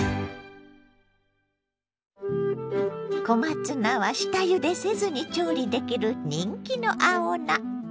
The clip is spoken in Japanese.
小松菜は下ゆでせずに調理できる人気の青菜。